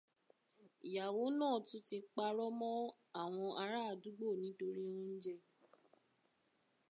Ìyàwó nàá tún ti parọ́ mọ́ àwọn ará àdúgbò nítorí oúnjẹ